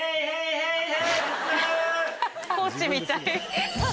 コーチみたい。